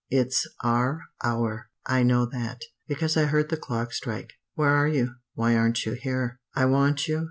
It's 'our hour' I know that, because I heard the clock strike. Where are you? Why aren't you here? "I want you.